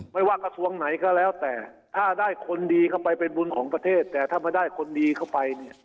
ไม่ว่ากระทรวงไหนก็แล้วแต่ถ้าได้คนดีเข้าไปเป็นบุญของประเทศแต่ถ้ามาได้คนดีเข้าไปเนี่ย